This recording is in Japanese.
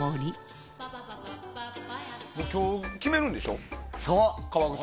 今日、決めるんでしょ、革靴。